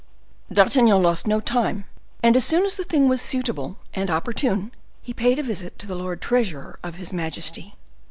D'Artagnan lost no time, and as soon as the thing was suitable and opportune, he paid a visit to the lord treasurer of his majesty.